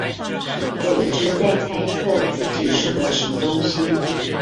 我一直在猜測自己是個什麼東西